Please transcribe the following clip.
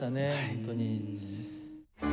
本当に。